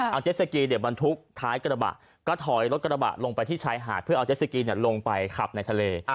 เอาเจ็ดสกีบรรทุกท้ายกระบะก็ถอยรถกระบะลงไปที่ชายหาดเพื่อเอาเจสสกีลงไปขับในทะเล